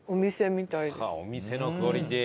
お店のクオリティー？